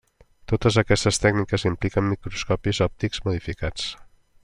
Totes aquestes tècniques impliquen microscopis òptics modificats.